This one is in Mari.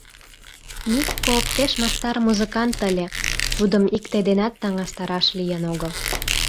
— Микко пеш мастар музыкант ыле, тудым икте денат таҥастараш лийын огыл.